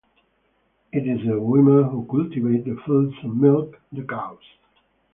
It is the women who cultivate the fields and milk the cows.